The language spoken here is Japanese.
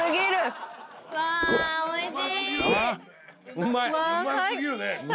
うまい。